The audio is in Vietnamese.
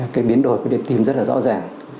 cái biến đổi của điểm tim rất là rõ ràng